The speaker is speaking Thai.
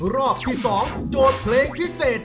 รอบที่๒โจทย์เพลงพิเศษ